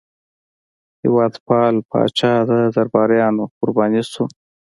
هېوادپال پاچا د درباریانو قرباني شو.